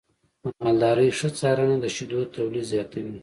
د مالدارۍ ښه څارنه د شیدو تولید زیاتوي.